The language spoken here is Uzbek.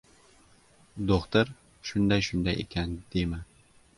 Do‘xtir, shunday-shunday ekan, deyman.